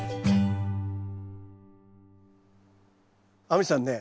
亜美さんね